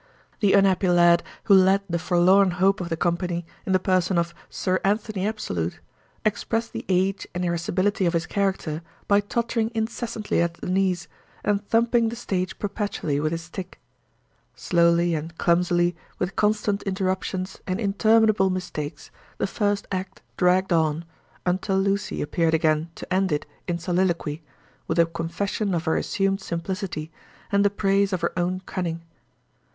The unhappy lad who led the forlorn hope of the company, in the person of "Sir Anthony Absolute," expressed the age and irascibility of his character by tottering incessantly at the knees, and thumping the stage perpetually with his stick. Slowly and clumsily, with constant interruptions and interminable mistakes, the first act dragged on, until Lucy appeared again to end it in soliloquy, with the confession of her assumed simplicity and the praise of her own cunning.